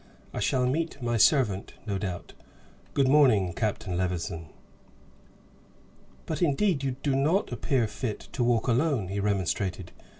I shall meet my servant, no doubt. Good morning, Captain Levison." "But indeed you do not appear fit to walk alone," he remonstrated.